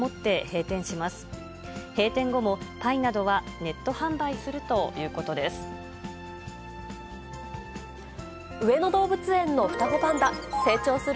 閉店後もパイなどはネット販売するということです。